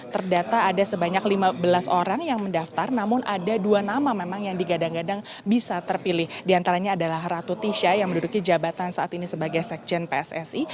terdata ada sebanyak lima belas orang yang mendaftar namun ada dua nama memang yang digadang gadang bisa terpilih diantaranya adalah ratu tisha yang menduduki jabatan saat ini sebagai sekjen pssi